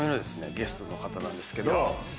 ゲストの方なんですけど。